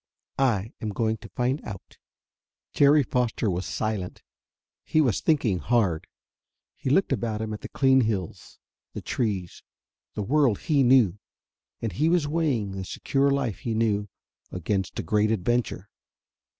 I am going to find out." Jerry Foster was silent. He was thinking hard. He looked about him at the clean hills, the trees, the world he knew. And he was weighing the secure life he knew against a great adventure.